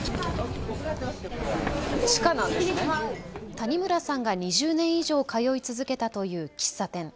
谷村さんが２０年以上通い続けたという喫茶店。